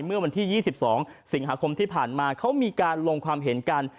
เมื่อวันที่๒๒สิงหาคมที่ผ่านมาเขามีการลงความเห็นกัน